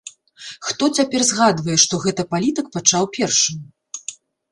Хто цяпер згадвае, што гэта палітык пачаў першым?